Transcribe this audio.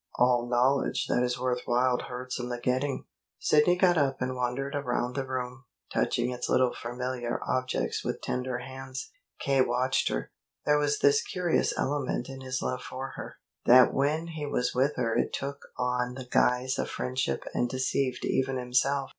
"All knowledge that is worth while hurts in the getting." Sidney got up and wandered around the room, touching its little familiar objects with tender hands. K. watched her. There was this curious element in his love for her, that when he was with her it took on the guise of friendship and deceived even himself.